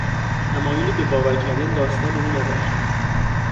تمایلی به باور کردن داستان او نداشتم.